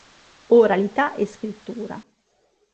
Oralità e scrittura.